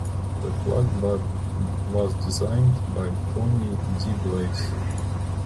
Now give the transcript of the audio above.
The flag was designed by Tony DeBlase.